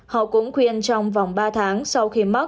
họ cũng khuyên trong vòng ba tháng sau khi mắc